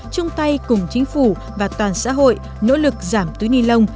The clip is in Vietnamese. chung tay cùng chính phủ và toàn xã hội nỗ lực giảm túi ni lông